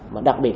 mà đặc biệt